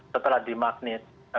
setelah di magnet